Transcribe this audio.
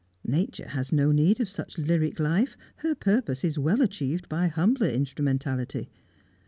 Nature has no need of such lyric life her purpose is well achieved by humbler instrumentality.